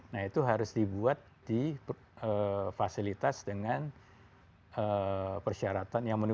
nah itu harus dibuat di fasilitas dengan persyaratan